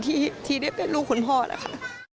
ที่ได้เป็นลูกคุณพ่อนะคะ